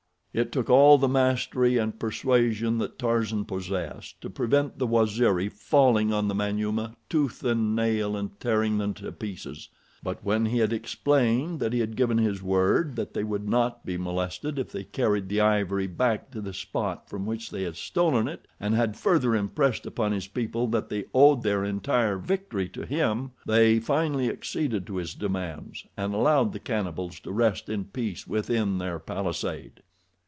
It took all the mastery and persuasion that Tarzan possessed to prevent the Waziri falling on the Manyuema tooth and nail, and tearing them to pieces, but when he had explained that he had given his word that they would not be molested if they carried the ivory back to the spot from which they had stolen it, and had further impressed upon his people that they owed their entire victory to him, they finally acceded to his demands, and allowed the cannibals to rest in peace within their palisade.